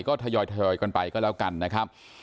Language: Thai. ก็ทยอยกันไปก็แล้วกันนะครับ